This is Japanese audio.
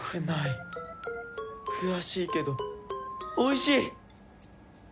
悔しいけど美味しい！